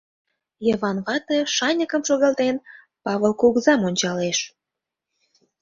— Йыван вате, шаньыкым шогалтен, Павыл кугызам ончалеш.